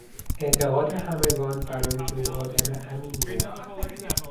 اعتقاد همگان بر آن که او آدم امینی است.